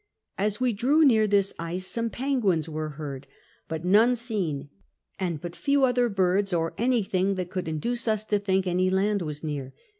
As we drew near this ice some penguins were heard but 104 CAPTAIN COOK OHAP. none seen ; and but few other birds, or anything that could induce us to tlynk any land was near.